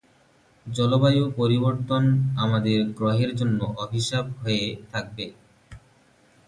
জলবায়ু পরিবর্তন আমাদের গ্রহের জন্য অভিশাপ হয়ে থাকবে।